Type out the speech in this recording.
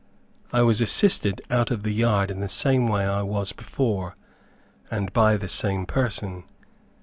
I was assisted out of the yard in the same way I was before, and by the same person.